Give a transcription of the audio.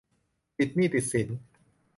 ติดหนี้ติดสิน